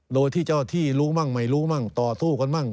โดยที่เจ้าที่รู้หรือไม่รู้ต่อสู้กันบ้าง